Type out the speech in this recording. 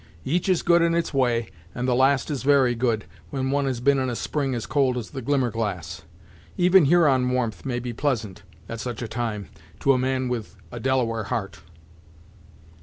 Each is good in its way, and the last is very good, when one has been in a spring as cold as the Glimmerglass. Even Huron warmth may be pleasant, at such a time, to a man with a Delaware heart."